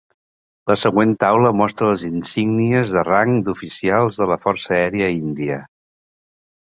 La següent taula mostra les insígnies de rang d'oficials de la Força Aèria Índia.